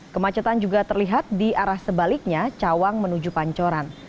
kemacetan juga terlihat di arah sebaliknya cawang menuju pancoran